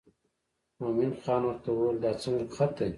مومن خان ورته وویل دا څنګه خط دی.